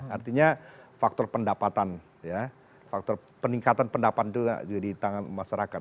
artinya faktor pendapatan ya faktor peningkatan pendapatan itu juga di tangan masyarakat